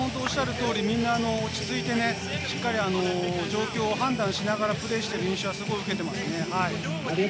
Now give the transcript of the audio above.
みんな落ち着いて、しっかり状況を判断しながらプレーしている印象は受けてますね。